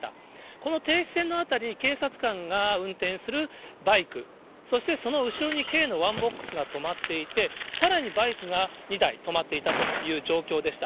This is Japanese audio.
この停止線の辺りに警察官が運転するバイク、そしてその後ろに軽のワンボックスが止まっていて、さらにバイクが２台止まっていたという状況でした。